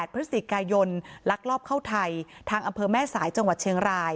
พฤศจิกายนลักลอบเข้าไทยทางอำเภอแม่สายจังหวัดเชียงราย